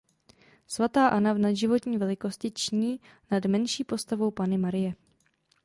Sv. Anna v nadživotní velikosti ční nad menší postavou Panny Marie.